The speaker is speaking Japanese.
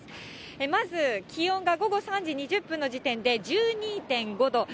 まず気温が午後３時２０分の時点で１２．５度。